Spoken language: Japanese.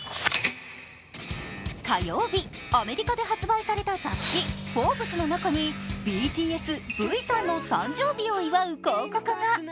火曜日、アメリカで発売された雑誌「Ｆｏｒｂｅｓ」の中にＢＴＳ・Ｖさんの誕生日を祝う広告が。